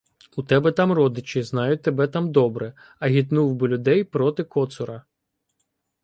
У тебе там родичі, знають тебе там добре, — агітнув би людей проти Коцура.